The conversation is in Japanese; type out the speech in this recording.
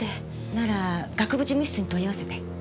なら学部事務室に問い合わせて。